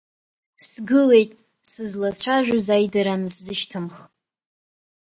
Сгылеит, сызлацәажәоз аидара ансзышьҭымх.